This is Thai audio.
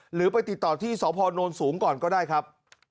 หรือไปติดต่อที่สพนสูงก่อนก็ได้ครับ